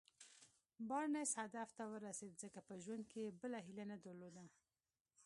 بارنس هدف ته ورسېد ځکه په ژوند کې يې بله هيله نه درلوده.